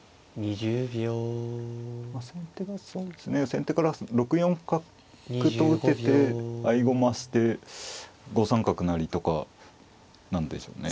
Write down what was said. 先手から６四角と打てて合駒して５三角成とかなんでしょうね。